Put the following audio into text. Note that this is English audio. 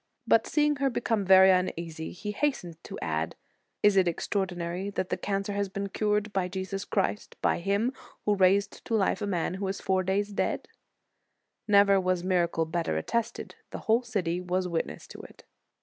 But seeing her become very uneasy, he has tened to add: Is it extraordinary that the cancer has been cured by Jesus Christ, by Him who raised to life a man who was four days dead? "* Never was miracle better attested; the whole city was witness to it.